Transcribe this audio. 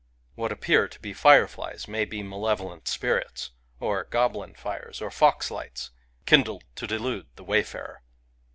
What appear to be fireflies may be malevolent spirits, or goblin fires, or fox lights, kindled to delude the wayfarer.